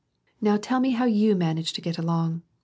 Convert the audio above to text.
— Now tell me how you manage to get along.